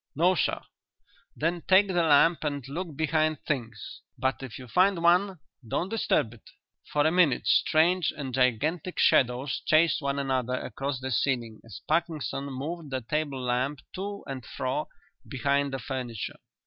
"No, sir." "Then take the lamp and look behind things. But if you find one don't disturb it." For a minute strange and gigantic shadows chased one another across the ceiling as Parkinson moved the table lamp to and fro behind the furniture.